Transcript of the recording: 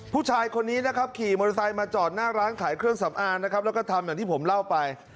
ผู้ชายคนนี้นะครับขี่มอเตอร์ไซค์มาจอดหน้าร้านขายเครื่องสำอางนะครับแล้วก็ทำอย่างที่ผมเล่าไป